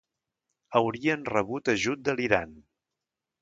Haurien rebut ajut de l'Iran.